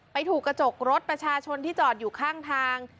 ถูกกระจกรถประชาชนที่จอดอยู่ข้างทาง